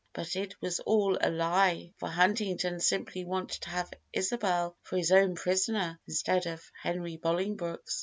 But it was all a lie, for Huntington simply wanted to have Isabel for his own prisoner instead of Henry Bolingbroke's.